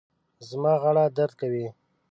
زما غاړه درد کوي